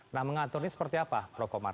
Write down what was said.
nah mengaturnya seperti apa prokomar